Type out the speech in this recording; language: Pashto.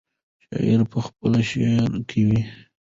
شاعر په خپل شعر کې.